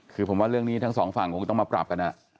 คือผมว่าเรื่องนี้ทั้งสองฝั่งคงต้องมาปรับกัน